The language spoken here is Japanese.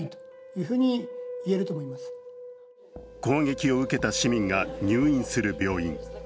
攻撃を受けた市民が入院する病院。